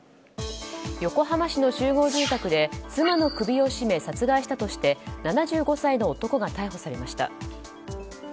横浜市の集合住宅で妻の首を絞め殺害したとして７５歳の男が逮捕されました。